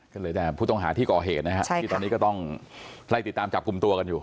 ก็เลยผู้ต้องหาที่ก่อเหตุนะครับตอนนี้ก็ต้องใครติดตามจับกลุ่มตัวกันอยู่